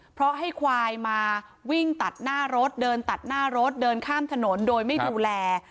เพราะให้ควายมาวิ่งตัดหน้ารถเดินตัดหน้ารถเดินข้ามถนนโดยไม่ดูแล